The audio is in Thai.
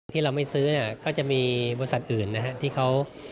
ที่เราไม่ซื้อก็จะมีบริษัทอื่นที่เขา